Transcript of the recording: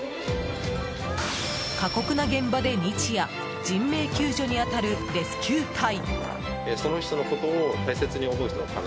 過酷な現場で、日夜人命救助に当たるレスキュー隊。